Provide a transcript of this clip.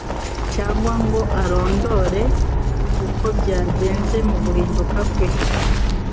cyangwa ngo arondore uko byagenze mu guhinduka kwe;